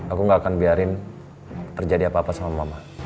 aku gak akan biarin terjadi apa apa sama mama